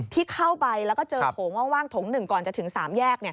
ที่เข้าไปแล้วก็เจอโถงว่างโถง๑ก่อนจะถึง๓แยก